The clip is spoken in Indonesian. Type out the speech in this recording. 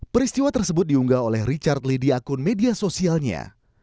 peristiwa tersebut diunggah oleh richard lee di akun media sosialnya